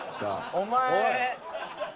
お前。